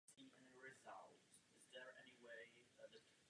Hlídkové čluny provozované ruským námořnictvem a pobřežní stráží.